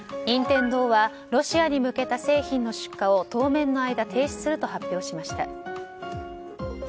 任天堂はロシアに向けた製品の出荷を当面の間停止すると発表しました。